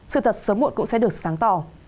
sự thật sớm muộn cũng sẽ được sáng tỏ